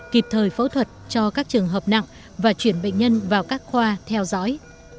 kịp thời phẫu thuật cho các trường hợp nặng và chuyển bệnh nhân vào các khoa theo dõi